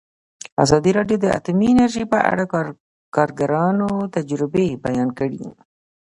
ازادي راډیو د اټومي انرژي په اړه د کارګرانو تجربې بیان کړي.